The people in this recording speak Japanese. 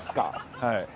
はい。